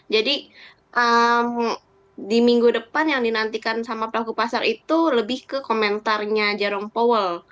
jadi di minggu depan yang dinantikan sama pelaku pasar itu lebih ke komentarnya jerom powell